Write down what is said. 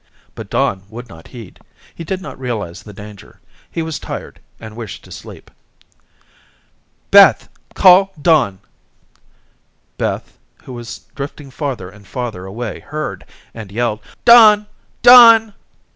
But Don would not heed. He did not realize the danger. He was tired and wished to sleep. "Beth, call Don." Beth who was drifting farther and farther away heard, and yelled: "Don, Don."